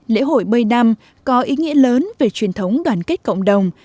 lễ hội bơi năm có ý nghĩa lớn về truyền thống đoàn kết cộng đồng